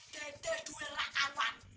dede dua orang kawan